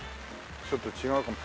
ちょっと違うかも。